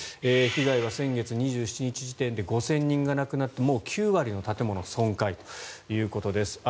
被害は先月２７日時点で５０００人が亡くなってもう９割の建物が損壊ということです。